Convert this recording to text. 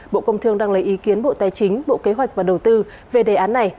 bộ công thương đang lấy ý kiến bộ tài chính bộ kế hoạch và đầu tư về đề án này